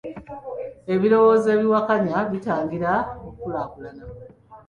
Ebirowozo ebiwakanya bitangira okukulaakulana.